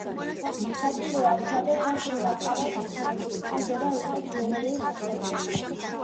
საჭიროა ვცადოთ და შევაკავოთ ერთმანეთი, გვჭირდება ვიყოთ გლობალური საზოგადოება.